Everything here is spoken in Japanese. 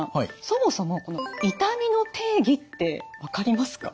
そもそも痛みの定義って分かりますか？